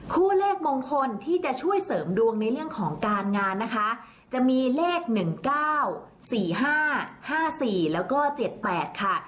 คู่เลขมงคลที่จะช่วยเสริมดวงในเรื่องของการงานนะคะจะมีเลข๑๙๔๕๕๔แล้วก็๗๘ค่ะ